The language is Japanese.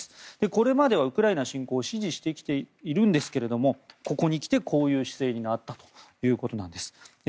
これまではウクライナ侵攻を支持してきているんですがここに来てこういう姿勢になったということなんです。